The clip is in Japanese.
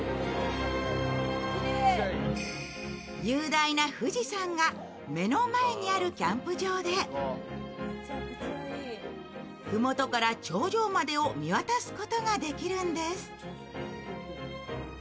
雄大な富士山が目の前にあるキャンプ場で麓から頂上までを見渡すことができるんです。